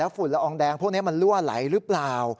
ฝุ่นละอองแดงพวกนี้มันรั่วไหลหรือเปล่า